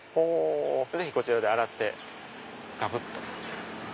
こちらで洗ってガブっと。